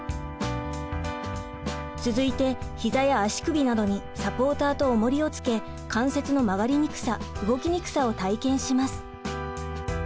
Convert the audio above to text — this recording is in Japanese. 続いて膝や足首などにサポーターとおもりをつけ関節の曲がりにくさ動きにくさを体験します。